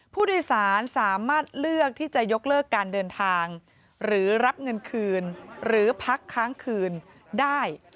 ผู้โดยสารสามารถเลือกที่จะยกเลิกการเดินทางหรือรับเงินคืนหรือพักค้างคืนได้